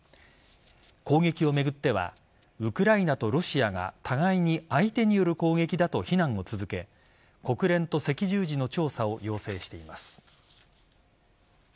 攻撃を巡ってはウクライナとロシアが互いに相手による攻撃だと非難を続け国連と赤十字の調査を要請しています。